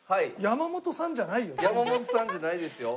山本さんじゃないですよ。